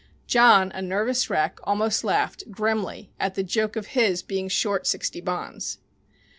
John, a nervous wreck, almost laughed, grimly, at the joke of his being short sixty bonds!